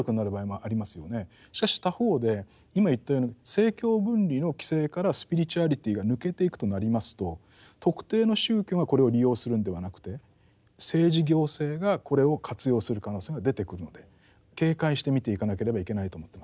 しかし他方で今言ったように政教分離の規制からスピリチュアリティが抜けていくとなりますと特定の宗教がこれを利用するんではなくて政治行政がこれを活用する可能性が出てくるので警戒して見ていかなければいけないと思ってます。